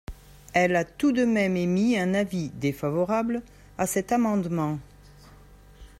Elle a tout de même émis un avis – défavorable – à cet amendement.